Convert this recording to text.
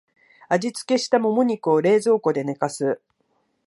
味付けしたモモ肉を冷蔵庫で寝かす